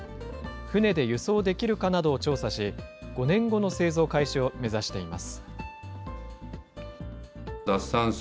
船で輸送できるかなどを調査し、５年後の製造開始を目指しています。